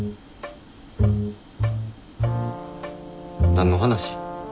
何の話？